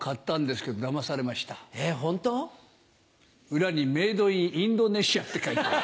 裏に「メイドインインドネシア」って書いてある。